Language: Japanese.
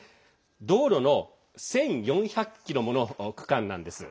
道路の１４００ｋｍもの区間なんです。